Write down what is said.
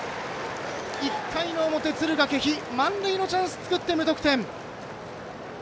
１回の表、敦賀気比満塁のチャンスを作って無得点。